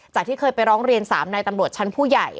ที่เคยไปร้องเรียน๓นายตำรวจชั้นผู้ใหญ่